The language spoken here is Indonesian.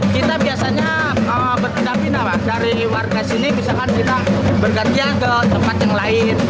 kita biasanya bertindak pindah dari warga sini misalkan kita bergantian ke tempat yang lain